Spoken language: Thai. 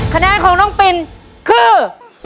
คะแนนของน้องปินคือ